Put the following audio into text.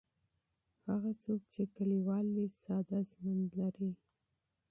هغه څوک چې کلیوال دی ساده ژوند لري.